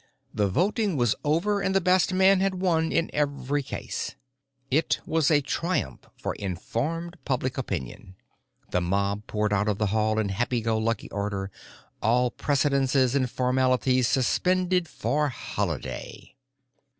The voting was over, and the best man had won in every case. It was a triumph for informed public opinion. The mob poured out of the hall in happy go lucky order, all precedences and formalities suspended for Holiday.